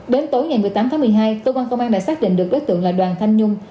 đến tối ngày một mươi tám tháng một mươi hai cơ quan công an đã xác định được đối tượng là đoàn thanh nhung